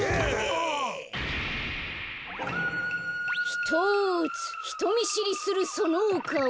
ひとつひとみしりするそのおかお。